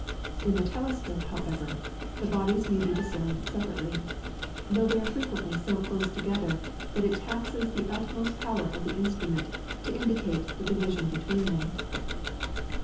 In the telescope, however, the bodies may be discerned separately, though they are frequently so close together that it taxes the utmost power of the instrument to indicate the division between them.